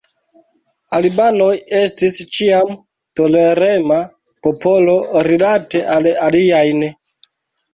Albanoj estis ĉiam tolerema popolo rilate la aliajn.